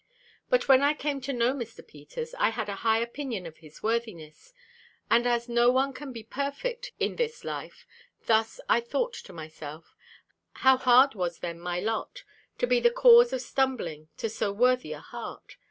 But when I came to know Mr. Peters, I had a high opinion of his worthiness, and as no one can be perfect in this life, thus I thought to myself: How hard was then my lot, to be the cause of stumbling to so worthy a heart.